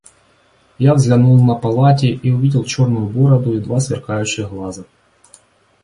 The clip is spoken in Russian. Я взглянул на полати и увидел черную бороду и два сверкающие глаза.